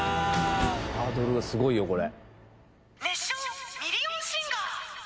ハードルが、すごいよ、これ。